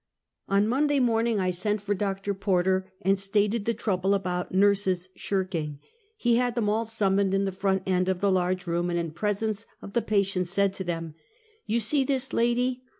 On Monday morning I sent for Dr. Porter, and sta ted the trouble about nurses shirking. He had them all summoned in tlie front end of the large room, and in presence of the patients, said to them: " You see this lady